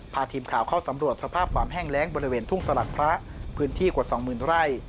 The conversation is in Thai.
พาทีมข่าวเข้าสำรวจสภาพความแห้งแรงบริเวณทุ่งสลัดพระพื้นที่กว่าสองหมื่นไร่